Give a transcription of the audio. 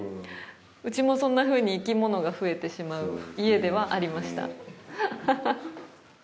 うちもそんなふうに生き物が増えてしまう家ではありました。